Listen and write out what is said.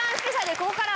ここからは。